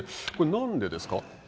なんでですか。